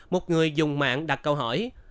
một người dùng mạng đặt câu hỏi